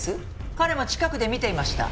彼も近くで見ていました。